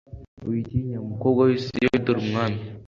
Witinya mukobwa w i Siyoni Dore Umwami